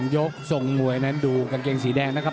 ยกทรงมวยนั้นดูกางเกงสีแดงนะครับ